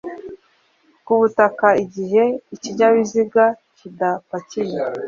ku butaka igihe ikinyabiziga kidapakiye.